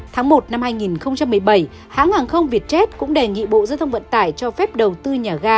tháng một năm hai nghìn một mươi bảy hãng hàng không việt tết cũng đề nghị bộ dân thông vận tải cho phép đầu tư nhà ga